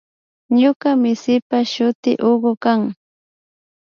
Ñuka misipa shuti Hugo kan